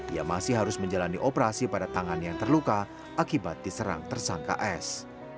ia masih harus menjalani operasi pada tangan yang terluka akibat diserang tersangka s